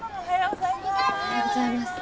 おはようございます。